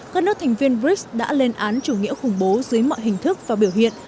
các nước thành viên brics đã lên án chủ nghĩa khủng bố dưới mọi hình thức và biểu hiện